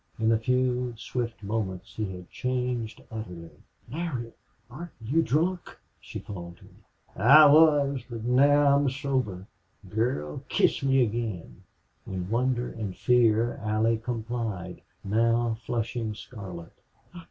In a few swift moments he had changed utterly. "Larry aren't you drunk?" she faltered. "I was, but now I'm sober.... Girl, kiss me again!" In wonder and fear Allie complied, now flushing scarlet.